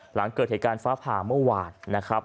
หลังเกิดเหตุการณ์ฟ้าผ่าเมื่อวานนะครับ